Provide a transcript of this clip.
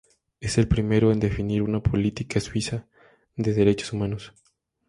Es el primero en definir una política suiza de derechos humanos.